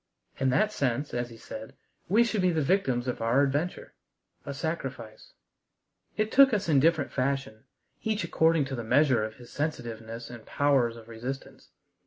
In that sense, as he said, we should be the victims of our adventure a sacrifice. It took us in different fashion, each according to the measure of his sensitiveness and powers of resistance.